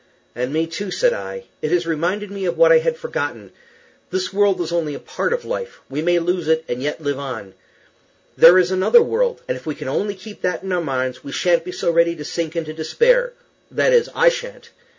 "And me too," said I. "It has reminded me of what I had forgotten. This world is only a part of life. We may lose it and yet live on. There is another world; and if we can only keep that in our minds we sha'n't be so ready to sink into despair that is, I sha'n't.